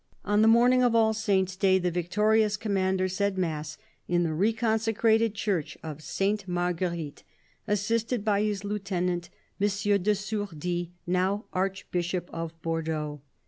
On the morning of All Saints' Day the victorious commander said mass in the reconsecrated Church of Sainte Marguerite, assisted by his lieutenant, M. de Sourdis, now Archbishop of Bordeaux.